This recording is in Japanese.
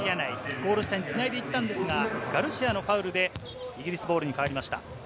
ゴール下につないでいきましたが、ガルシアのファウルでイギリスボールに変わりました。